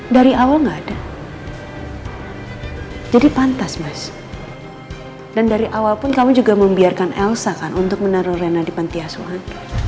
dan dari awal pun kamu juga membiarkan elsa kan untuk menaruh rena di pentiasuan